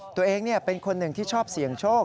ตัวเองเป็นคนหนึ่งที่ชอบเสี่ยงโชค